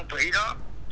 em chụp cái riêng em chụp